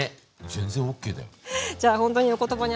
全然ＯＫだよ。